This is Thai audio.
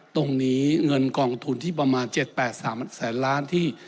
ตรงนี้เงินกองทุนที่ประมาณ๗๘๓แสนล้านที่